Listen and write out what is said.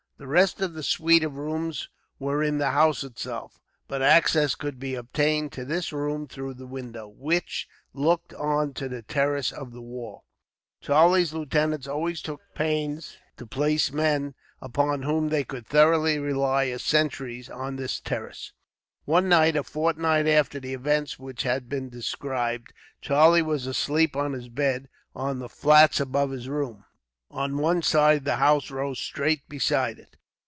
The rest of the suite of rooms were in the house itself, but access could be obtained to this room through the window, which looked on to the terrace of the wall. Charlie's lieutenants always took pains to place men upon whom they could thoroughly rely as sentries, on this terrace. One night, a fortnight after the events which have been described, Charlie was asleep on his bed, on the flats above his room. On one side the house rose straight beside it.